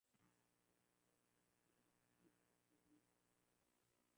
Mwaka elfu moja mia tisa ishirini na mbili